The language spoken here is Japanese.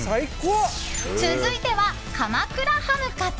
続いては、鎌倉ハムカツ。